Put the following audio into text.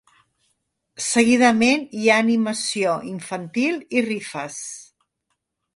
Seguidament hi ha animació infantil i rifes.